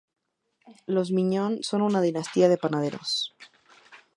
Los Miñón son una dinastía de panaderos.